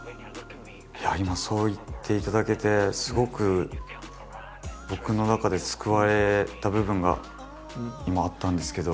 今そう言っていただけてすごく僕の中で救われた部分が今あったんですけど。